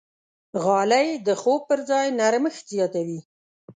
غالۍ د خوب پر ځای نرمښت زیاتوي.